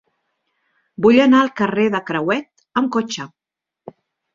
Vull anar al carrer de Crehuet amb cotxe.